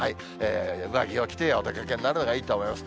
上着を着てお出かけになるのがいいと思います。